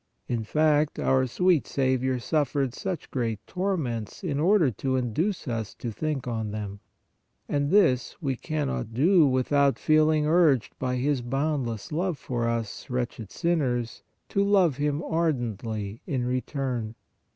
" In fact, our sweet Saviour suffered such great torments in order to induce us to think on them; and this we cannot do without feeling urged by His boundless love for us, wretched sinners, to love Him ardently in return.